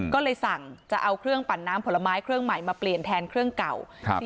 ก็เลยสั่งจะเอาเครื่องปั่นน้ำผลไม้เครื่องใหม่มาเปลี่ยนแทนเครื่องเก่า